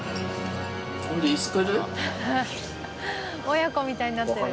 親子みたいになってる。